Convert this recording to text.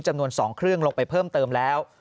จำนวน๒เครื่องลงไปเพิ่มเติมแล้ว